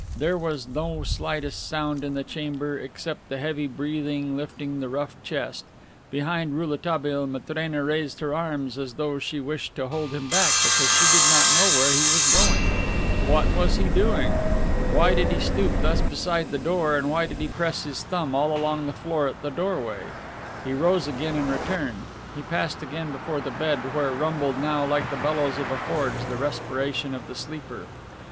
There was no slightest sound in the chamber, except the heavy breathing lifting the rough chest. Behind Rouletabille Matrena raised her arms, as though she wished to hold him back, because she did not know where he was going. What was he doing? Why did he stoop thus beside the door and why did he press his thumb all along the floor at the doorway? He rose again and returned. He passed again before the bed, where rumbled now, like the bellows of a forge, the respiration of the sleeper.